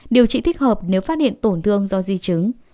điều trị thích hợp nếu phát hiện tổn thương do di chứng